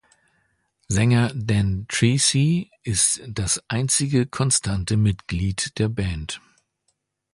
Sänger Dan Treacy ist das einzige konstante Mitglied der Band.